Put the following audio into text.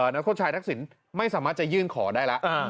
นักโทษชายทักษิณไม่สามารถจะยื่นขอได้แล้ว